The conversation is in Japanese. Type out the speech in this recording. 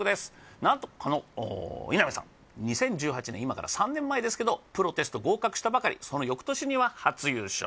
なんとこの稲見さん、２０１８年、今から３年前ですけどプロテスト合格したばかり、その翌年には初優勝。